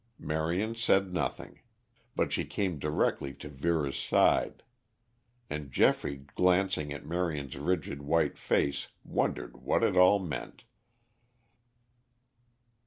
Marion said nothing. But she came directly to Vera's side. And Geoffrey glancing at Marion's rigid white face wondered what it all meant.